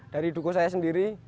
dari duku saya sendiri